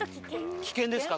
危険ですか？